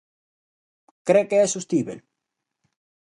¿Cre que é sostíbel?